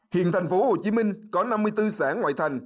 hiện thành phố hồ chí minh có năm mươi bốn xã ngoại thành